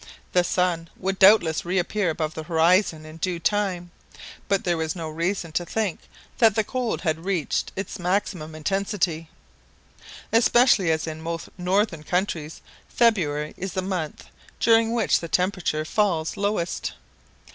The sun would doubtless reappear above the horizon in due time; but there was no reason to think that the cold had reached its maximum intensity, especially as in most northern countries February is the month during which the temperature falls lowest.